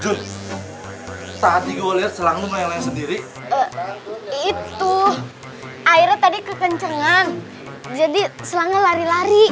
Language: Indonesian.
jun tadi gue lihat selangnya yang sendiri itu airnya tadi kekencangan jadi selangnya lari lari